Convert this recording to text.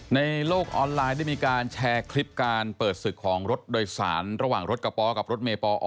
ในโลกออนไลน์ได้มีการแชร์คลิปการเปิดศึกของรถโดยสารระหว่างรถกระป๋อกับรถเมย์ปอ